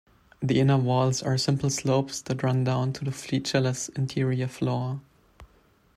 The inner walls are simple slopes that run down to the featureless interior floor.